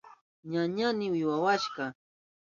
Ñañayni wiwawashka.